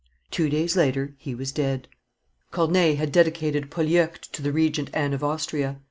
Two days later he was dead. Corneille had dedicated Polyeucte to the regent Anne of Austria.